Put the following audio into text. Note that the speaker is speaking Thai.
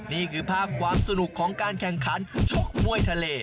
นี่คือภาพความสนุกของการแข่งขันชกมวยทะเล